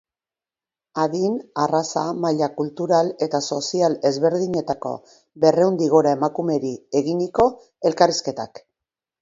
Adin, arraza, maila kultural eta sozial ezberdinetako berrehundik gora emakumeri eginiko elkarrizketak.